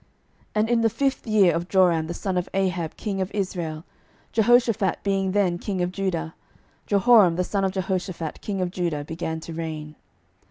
12:008:016 And in the fifth year of Joram the son of Ahab king of Israel, Jehoshaphat being then king of Judah, Jehoram the son of Je hoshaphat king of Judah began to reign.